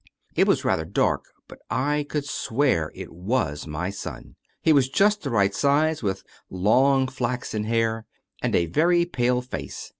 It was rather dark, but I could swear it was my son. He was just the right size, with long flaxen hair and a very pale face.